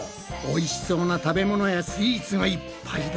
おいしそうな食べ物やスイーツがいっぱいだ！